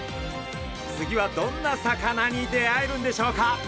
次はどんな魚に出会えるんでしょうか？